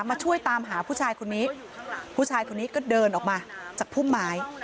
มาช่วยตามหาผู้ชายคนนี้ผู้ชายคนนี้ก็เดินออกมาจากพุ่มไม้